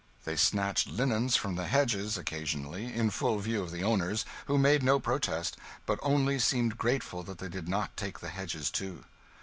They snatched linen from the hedges, occasionally in full view of the owners, who made no protest, but only seemed grateful that they did not take the hedges, too.